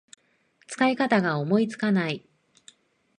使い方が思いつかない